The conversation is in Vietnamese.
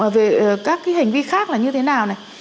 về các cái hành vi khác là như thế nào này